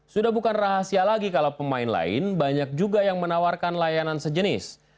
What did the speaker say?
sudah bukan rahasia lagi kalau pemain lain banyak juga yang menawarkan layanan sejenis